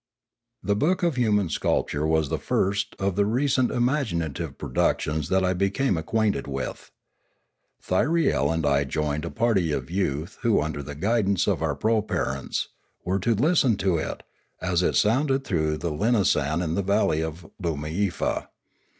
The book of Human Sculpture was the first of the re cent imaginative productions that I became acquainted with. Thyriel and I joined a party of youth who, under the guidance of our proparents, were to listen to it, as it sounded through the linasan in the valley of Loomiefa.